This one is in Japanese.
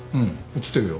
写ってるよ。